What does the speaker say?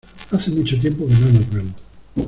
Hace mucho tiempo que no nos vemos.